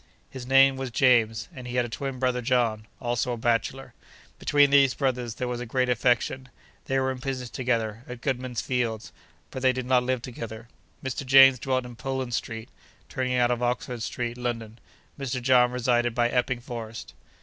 His name was James, and he had a twin brother John, also a bachelor. Between these brothers there was a great affection. They were in business together, at Goodman's Fields, but they did not live together. Mr. James dwelt in Poland Street, turning out of Oxford Street, London; Mr. John resided by Epping Forest.